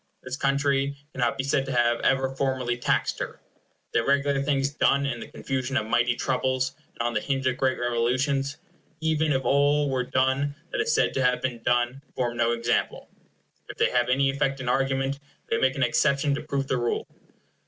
This country cannot be said to have ever formally taxed her. The irregular things done in the confusion of mighty troubles and on the hinge of great revolutions, even if all were done that is said to have been done, form no example. If they have any effect in argument, they make an exception to prove the rule.